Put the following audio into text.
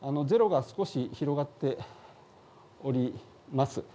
ゼロが少し広がっております。